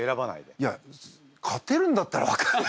いや勝てるんだったら分からない。